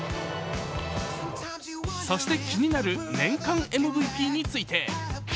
そして気になる年間ＭＶＰについて。